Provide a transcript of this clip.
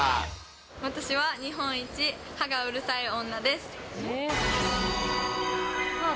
私は、日本一歯がうるさい女です。